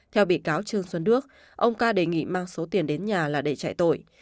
theo bị cáo trương xuân đức ông ca đề nghị mang số tiền đến nhà là để chạy tội